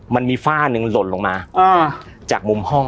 มันมีฝ้าหนึ่งหล่นลงมาจากมุมห้อง